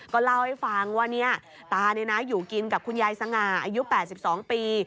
ก็เล่าให้ฟังว่าตาอยู่กินกับคุณยายสง่าอายุ๘๒ปี